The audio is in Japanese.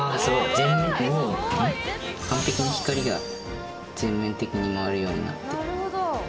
全部もう完璧に光が全面的に回るようになって。